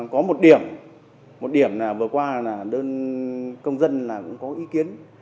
có một điểm một điểm là vừa qua là đơn công dân là cũng có ý kiến